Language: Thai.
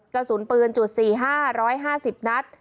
กระสุนปืน๔๕๑๕๐นัท